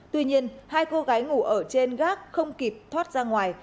tuy nhiên hai cô gái ngủ ở trên gác không kịp thoát ra ngoài